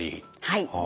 はい。